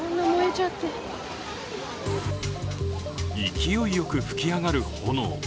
勢いよく噴き上がる炎。